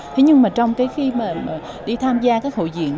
thế nhưng mà trong cái khi mà đi tham gia các hội diễn